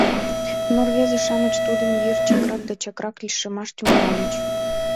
Но рвезе-шамыч тудын йыр чакрак да чакрак лишемаш тӱҥальыч.